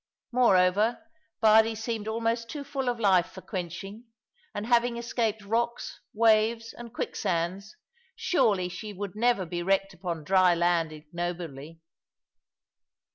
Moreover, Bardie seemed almost too full of life for quenching; and having escaped rocks, waves, and quicksands, surely she would never be wrecked upon dry land ignobly.